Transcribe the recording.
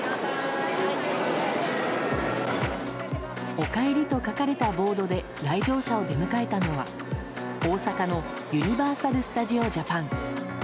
「おかえり」と書かれたボードで来場者を出迎えたのは大阪のユニバーサル・スタジオ・ジャパン。